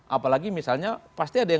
apalagi misalnya pasti ada yang